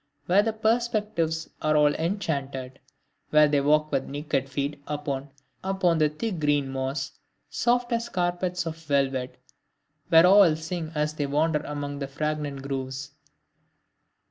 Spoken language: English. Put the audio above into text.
where the perspectives are all enchanted... where they walk with naked feet upon the thick green moss, soft as carpets of velvet... where all sing as they wander among the fragrant groves."